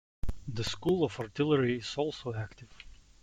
The School of Artillery is also active.